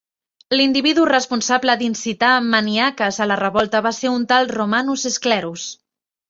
L'individu responsable d'incitar Maniakes a la revolta va ser un tal Romanus Sclerus.